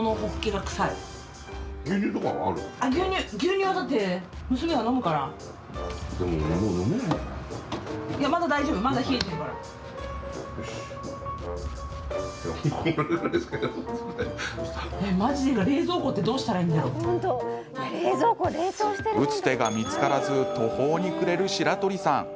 牛乳、牛乳はだって打つ手が見つからず途方に暮れる白鳥さん。